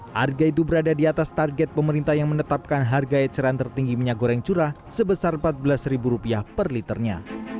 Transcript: harga itu berada di atas target pemerintah yang menetapkan harga eceran tertinggi minyak goreng curah sebesar rp empat belas per liternya